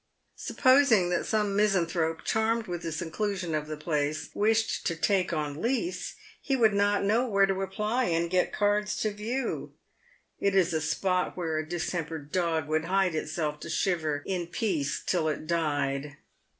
Supposing that some misanthrope, charmed with the seclusion of the place, wished " to take on lease," he would not know where to apply and get cards to view. It is a spot where a distempered dog would hide itself to shiver in peace till it died.